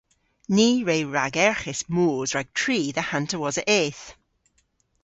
Ni re ragerghis moos rag tri dhe hanter wosa eth.